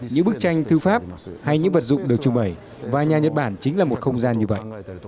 những bức tranh thư pháp hay những vật dụng được trưng bày và nhà nhật bản chính là một không gian như vậy